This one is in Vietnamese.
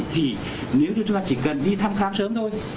thì nếu như chúng ta chỉ cần đi thăm khám sớm thôi